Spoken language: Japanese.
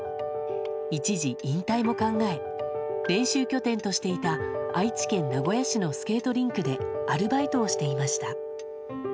一時、引退も考え、練習拠点としていた愛知県名古屋市のスケートリンクでアルバイトをしていました。